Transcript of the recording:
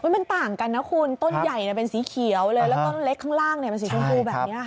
มันต่างกันนะคุณต้นใหญ่เป็นสีเขียวเลยแล้วก็เล็กข้างล่างมันสีชมพูแบบนี้ค่ะ